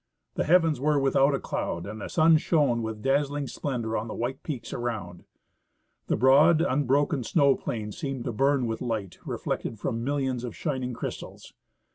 The heavens were with out a cloud, and the sun shone with dazzling splendor on the white peaks around. The broad unbroken snow plain seemed to burn with light reflected from millions of shining crystals.